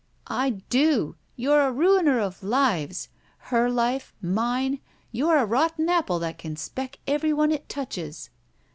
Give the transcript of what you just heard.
"I do! You're a miner of lives ! Her life! Mine! You're a rotten apple that can speck every one it touches."